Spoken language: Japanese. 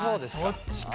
そっちか。